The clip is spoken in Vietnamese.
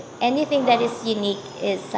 sẽ có chiếc áo quốc tế của họ